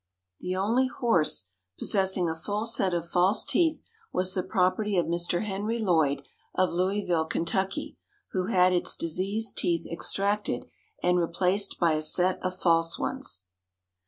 The only horse possessing a full set of false teeth was the property of Mr. Henry Lloyd of Louisville, Ky., who had its diseased teeth extracted and replaced by a set of false ones.